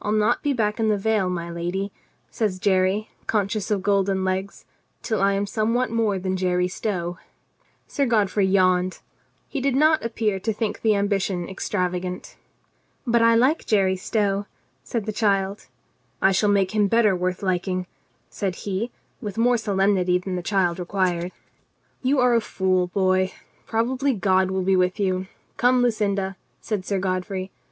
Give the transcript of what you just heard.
"I'll not be back in the vale, my lady," says Jerry, conscious of golden legs, "till I am somewhat more than Jerry Stow." Sir Godfrey yawned. He did not appear to think the ambition extravagant. "But I like Jerry Stow," said the child. Jerry Stow appeared to be in some discomfort. "I shall make him better worth liking," said he with more solemnity than the child required. 4 COLONEL GREATIIEART "You are a fool, boy. Probably God will be with you. Come, Lucinda," said Sir Godfrey.